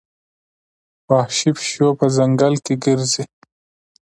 وحشي پیشو په ځنګل کې ګرځي.